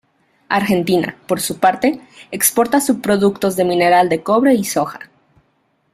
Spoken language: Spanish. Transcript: Argentina, por su parte, exporta subproductos de mineral de cobre y soja.